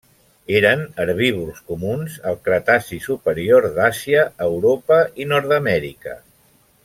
Eren herbívors comuns al Cretaci superior d'Àsia, Europa i Nord-amèrica.